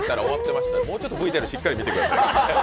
もうちょっとＶＴＲしっかり見てください。